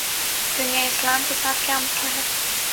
دنیائے اسلام کے ساتھ کیا مسئلہ ہے؟